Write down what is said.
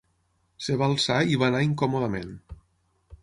Es va alçar i va anar incòmodament.